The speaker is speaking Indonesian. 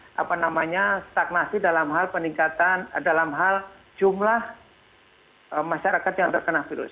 ada penurunan atau sudah ada stagnasi dalam hal peningkatan dalam hal jumlah masyarakat yang terkena virus